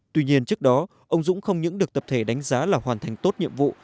tuy nhiên trước đó ông dũng không những được tập thể đánh giá là hoàn thành tốt nhiệm vụ